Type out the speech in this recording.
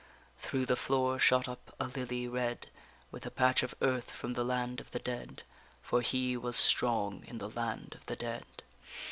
_Through the floor shot up a lily red, With a patch of earth from the land of the dead, For he was strong in the land of the dead.